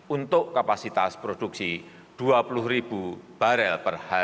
untuk kapasitas produksi dua puluh ribu barel per hari